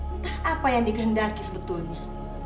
entah apa yang dikehendaki sebetulnya